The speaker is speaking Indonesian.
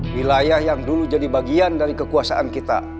wilayah yang dulu jadi bagian dari kekuasaan kita